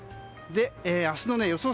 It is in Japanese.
明日の予想